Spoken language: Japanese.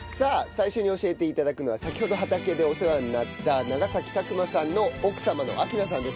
最初に教えて頂くのは先ほど畑でお世話になった長崎拓真さんの奥様の明菜さんです。